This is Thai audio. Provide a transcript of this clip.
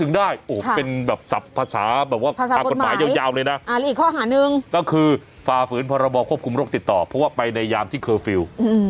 ฝืนพระราบบอกควบคุมโรคติดต่อเพราะว่าไปในยามที่เคอร์ฟิลอืมนะฮะก็เขาพูดอยากได้ไหมครับ